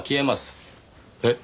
えっ？